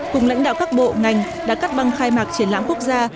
cùng lãnh đạo các bộ ngành đã cắt băng khai mạc triển lãm quốc gia